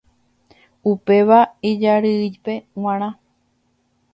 Upéva ijarýipe g̃uarã.